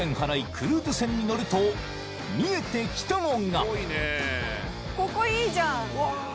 クルーズ船に乗ると見えてきたのがここいいじゃん。